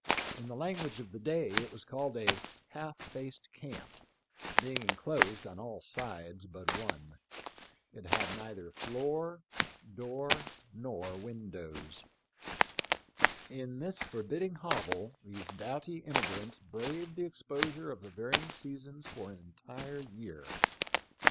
In, the language of the day, it was called a "half faced camp," being enclosed on all sides but one. It had neither floor, door, nor windows. In this forbidding Dennis Hanks THE LIFE OF LINCOLN. 2 1 hovel these doughty emigrants braved the exposure of the varying seasons for an entire year.